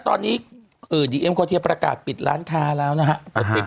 ตอนนี้ดีเอ็มโคเทียประกาศปิดร้านค้าแล้วนะฮะ